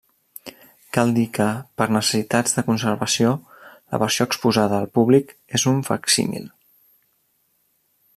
Cal dir que, per necessitats de conservació, la versió exposada al públic és un facsímil.